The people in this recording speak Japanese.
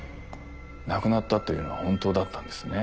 亡くなったっていうのは本当だったんですね。